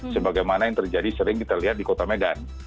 sebagaimana yang terjadi sering diterlihat di kota medan